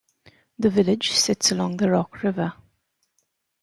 The village sits along the Rock River.